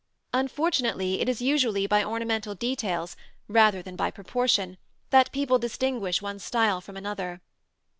Unfortunately it is usually by ornamental details, rather than by proportion, that people distinguish one style from another.